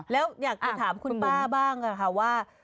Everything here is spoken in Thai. แล้วอยากจะถามคุณป้าบ้างค่ะว่า